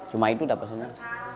cuma itu dah pesannya